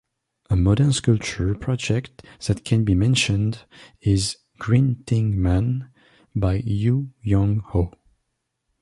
A modern sculpture project that can be mentioned is "Greetingman", by Yoo Young-ho.